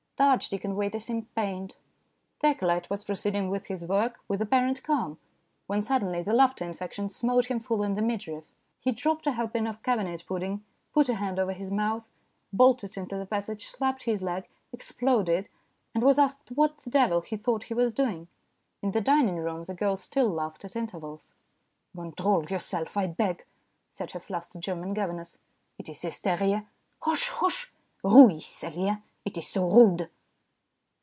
The archdeacon waiter seemed pained. The acolyte was proceed ing with his work with apparent calm, when suddenly the laughter infection smote him full in the midriff. He dropped a helping of cabinet pudding, put a hand over his mouth, bolted into TOO SOON AND TOO LATE 183 the passage, slapped his leg, exploded, and was asked what the devil he thought he was doing. In the dining room the girl still laughed at intervals. "Control yourself, I beg," said her flustered German governess. " It is hysteria. Hosh ! hosh ! Ruhig ! Celia ! It is so rude."